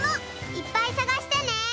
いっぱいさがしてね！